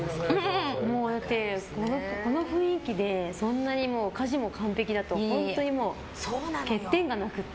この雰囲気で、そんなに家事も完璧だと本当に欠点がなくて。